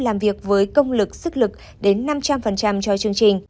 làm việc với công lực sức lực đến năm trăm linh cho chương trình